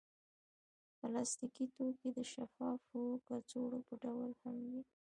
پلاستيکي توکي د شفافو کڅوړو په ډول هم وي.